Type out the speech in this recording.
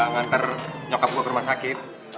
ngantar nyokap gue ke rumah sakit